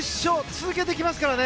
続けてきますからね。